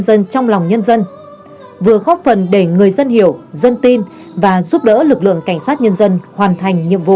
dân trong lòng nhân dân vừa góp phần để người dân hiểu dân tin và giúp đỡ lực lượng cảnh sát nhân dân hoàn thành nhiệm vụ